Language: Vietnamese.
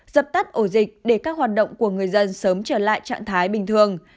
dập tắt ổ dịch để các hoạt động của người dân sớm trở lại trạng thái bình thường